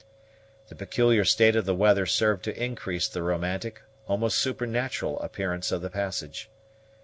The peculiar state of the weather served to increase the romantic, almost supernatural appearance of the passage.